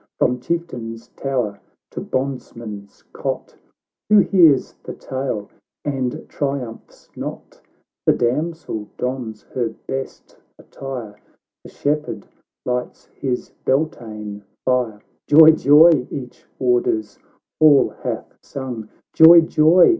— From chieftain's tower to bondsman's cot, Who hears the tale, and triumphs not ? The damsel dons her best attire, The shepherd lights his beltane fire, Joy, Joy ! each warder's horn hath sung, Joy, Joy